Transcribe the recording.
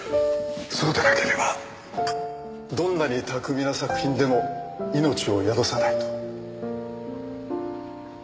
そうでなければどんなに巧みな作品でも命を宿さないと。